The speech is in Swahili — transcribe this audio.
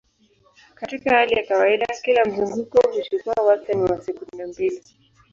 Katika hali ya kawaida, kila mzunguko huchukua wastani wa sekunde mbili.